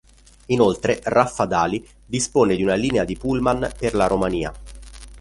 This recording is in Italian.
Inoltre Raffadali dispone di una linea di pullman per la Romania.